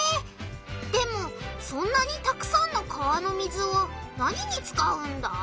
でもそんなにたくさんの川の水を何に使うんだ？